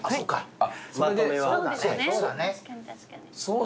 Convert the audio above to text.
あっ！